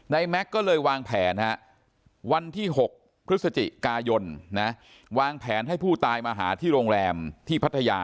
แม็กซ์ก็เลยวางแผนวันที่๖พฤศจิกายนวางแผนให้ผู้ตายมาหาที่โรงแรมที่พัทยา